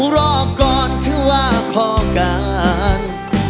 รอก่อนถึงล่าของกัน